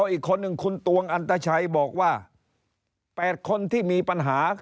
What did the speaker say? อีกคนหนึ่งคุณตวงอันตชัยบอกว่า๘คนที่มีปัญหา